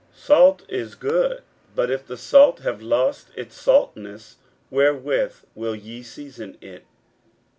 41:009:050 Salt is good: but if the salt have lost his saltness, wherewith will ye season it?